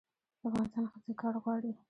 د افغانستان ښځې کار غواړي